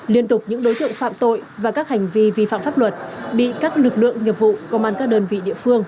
liên tục những đối tượng phạm tội và các hành vi vi phạm pháp luật bị các lực lượng nghiệp vụ công an các đơn vị địa phương